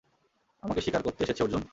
আমাকে শিকার করতে এসেছে, অর্জুন।